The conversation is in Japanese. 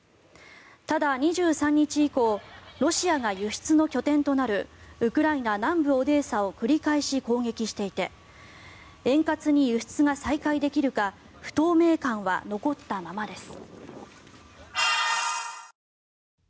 ただ、２３日以降ロシアが輸出の拠点となるウクライナ南部オデーサを繰り返し攻撃していて円滑に輸出が再開できるか不透明感は残ったままです。